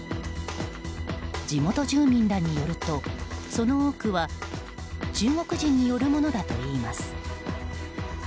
地元住民らによると、その多くは中国人によるものだといいます。